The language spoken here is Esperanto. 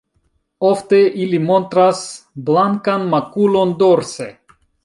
Ofte ili montras blankan makulon dorse.